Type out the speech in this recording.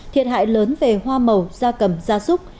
thiệt hại lớn về hoa màu da cầm da súc